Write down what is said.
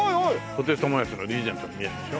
布袋寅泰のリーゼントに見えるでしょ？